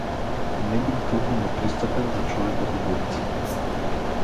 Не биди толку непристапен за човекот од улица.